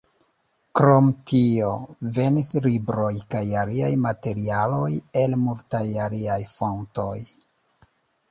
Krom tio, venis libroj kaj aliaj materialoj el multaj aliaj fontoj.